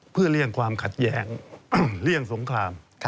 เพื่อเลี่ยงความขัดแย้งเลี่ยงสงคราม